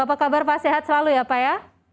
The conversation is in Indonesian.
apa kabar pak sehat selalu ya pak ya